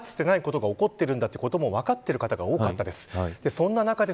かつてないことが起こっているんだということを分かっていた方が多かったです。